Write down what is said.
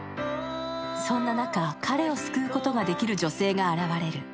そんな中、彼をすくうことができる女性が現れる。